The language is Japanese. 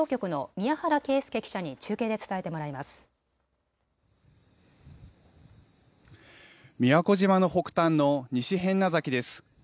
宮古島の北端の西平安名崎です。